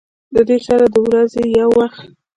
د دې سره د ورځې يو وخت